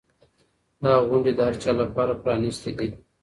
دا غونډې د هر چا لپاره پرانیستې دي.